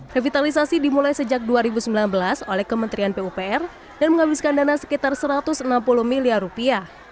revitalisasi dimulai sejak dua ribu sembilan belas oleh kementerian pupr dan menghabiskan dana sekitar satu ratus enam puluh miliar rupiah